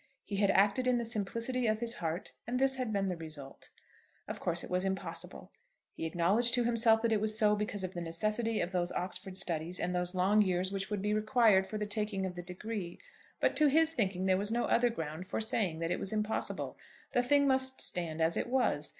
He had acted in the simplicity of his heart, and this had been the result. Of course it was impossible. He acknowledged to himself that it was so, because of the necessity of those Oxford studies and those long years which would be required for the taking of the degree. But to his thinking there was no other ground for saying that it was impossible. The thing must stand as it was.